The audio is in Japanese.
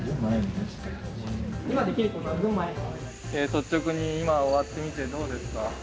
・率直に今終わってみてどうですか？